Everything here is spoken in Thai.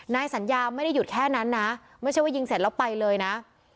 นายสัญญาไม่ได้หยุดแค่นั้นนะไม่ใช่ว่ายิงเสร็จแล้วไปเลยนะ